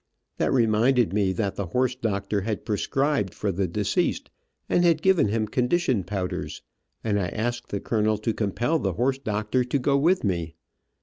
That reminded me that the horse doctor had prescribed for the deceased, and had given him condition powders, and I asked the colonel to compel the horse doctor to go with me.